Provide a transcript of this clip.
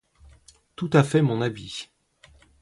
Tout à fait mon avis